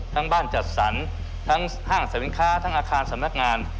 ทั้งบ้านจัดสรรทั้งห้างสรรค้าทั้งอาคารสำนักงาน